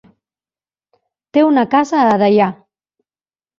Té una casa a Deià.